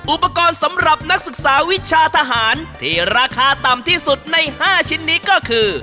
อุปกรณ์สำหรับนักศึกษาวิชาทหารที่ราคาต่ำที่สุดใน๕ชิ้นนี้ก็คือ